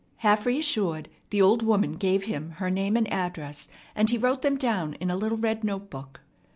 Half reassured, the old woman gave him her name and address; and he wrote them down in a little red notebook.